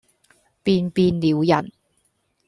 便變了人，